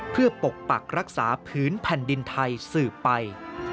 เพื่อปกปักรักษาพื้นแผ่นดินไทยสืบไป